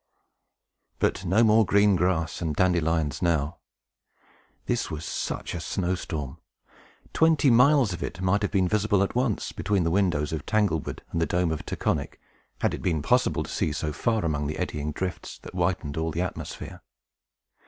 But no more green grass and dandelions now. This was such a snow storm! Twenty miles of it might have been visible at once, between the windows of Tanglewood and the dome of Taconic, had it been possible to see so far among the eddying drifts that whitened all the atmosphere.